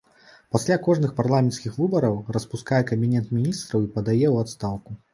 Пасля кожных парламенцкіх выбараў распускае кабінет міністраў і падае ў адстаўку.